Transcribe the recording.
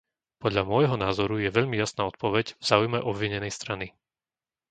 Podľa môjho názoru je veľmi jasná odpoveď v záujme obvinenej strany.